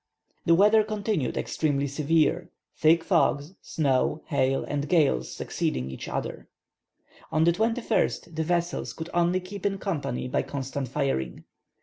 The weather continued extremely severe; thick fogs, snow, hail, and gales succeeded each other. On the 21st, the vessels could only keep in company by constant firing.